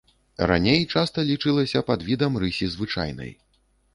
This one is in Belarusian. Раней часта лічылася падвідам рысі звычайнай.